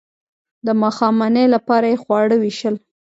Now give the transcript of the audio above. د ماښامنۍ لپاره یې خواړه ویشل.